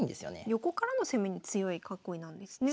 横からの攻めに強い囲いなんですね。